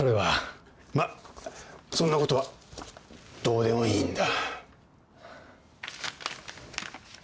まっそんなことはどうでもいいんだ。